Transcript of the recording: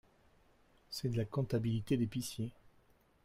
C’est de la comptabilité d’épicier